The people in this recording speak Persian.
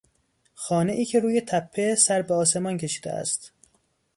خانهای که روی تپه سربه آسمان کشیده است